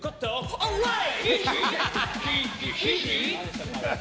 オーライ！